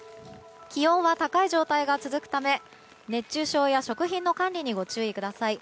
気温は高い状態が続くため熱中症や食品の管理にご注意ください。